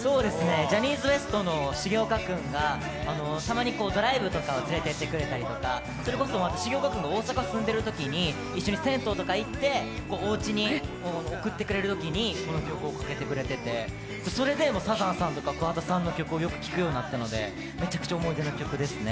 ジャニーズＷＥＳＴの重岡君がたまにドライブとか連れていってくれたりそれこそ重岡君が大阪住んでるときに一緒に銭湯とか行っておうちに送ってくれるときにこの曲をかけてくれててそれでサザンさんとか桑田さんの曲をよく聴くようになったのでめちゃくちゃ思い出の曲ですね。